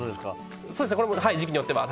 時期によっては。